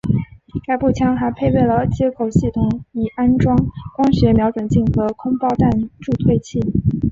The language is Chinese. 该步枪还配备了接口系统以安装光学瞄准镜和空包弹助退器。